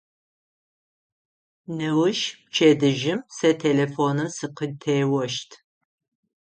Неущ, пчэдыжьым, сэ телефоным сыкъытеощт.